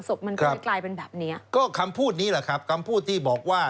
ศพมันก็เลยกลายเป็นแบบเนี้ยก็คำพูดนี้แหละครับคำพูดที่บอกว่า